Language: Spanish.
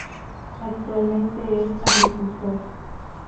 Actualmente es agricultor.